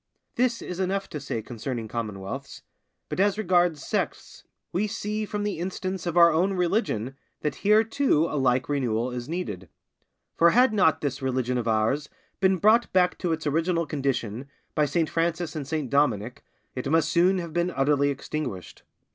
This is enough to say concerning commonwealths, but as regards sects, we see from the instance of our own religion that here too a like renewal is needed. For had not this religion of ours been brought back to its original condition by Saint Francis and Saint Dominick, it must soon have been utterly extinguished.